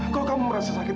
kalau kamu merasa sakit